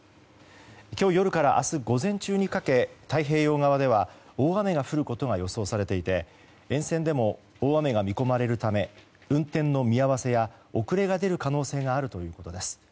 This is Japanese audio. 今日夜から明日午前中にかけ太平洋側では、大雨が降ることが予想されていて沿線でも大雨が見込まれるため運転の見合わせや遅れが出る可能性があるということです。